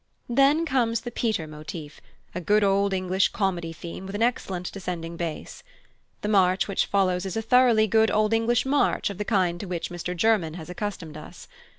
Then comes the Peter motif a good Old English comedy theme with an excellent descending bass. The March which follows is a thoroughly good Old English march of the kind to which Mr German has accustomed us.